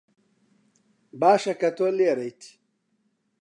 باشە کە تۆ لێرەیت.